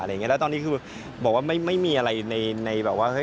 แล้วตอนนี้คือบอกว่าไม่มีอะไรในแบบว่าเฮ